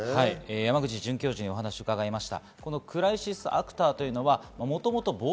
山口准教授にお話を伺いました。